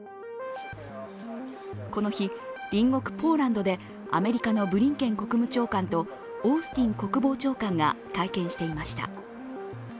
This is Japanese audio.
この日、隣国ポーランドでアメリカのブリンケン国務長官とオースティン国防長官が会見していました。